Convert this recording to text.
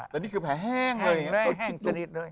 แต่นี่คือแผลแห้งเลย